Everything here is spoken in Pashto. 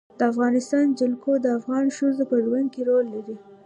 د افغانستان جلکو د افغان ښځو په ژوند کې رول لري.